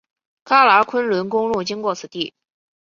喀喇昆仑公路经过此地。